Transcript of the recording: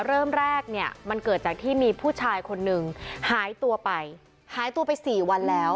เริ่มแรกเนี่ยมันเกิดจากที่มีผู้ชายคนหนึ่งหายตัวไปหายตัวไปสี่วันแล้ว